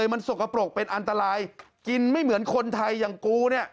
ค่อนข้างรุนแรงเลยมันสกปรกเป็นอันตรายกินไม่เหมือนคนไทยอย่างกูเนี่ย